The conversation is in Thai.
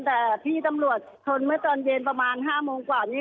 แต่พี่ตำรวจชนเมื่อตอนเย็นประมาณ๕โมงกว่านี้